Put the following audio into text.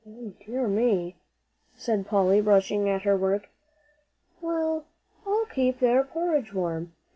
"Dear me," said Polly, rushing at her work; "well, I'll keep their porridge warm.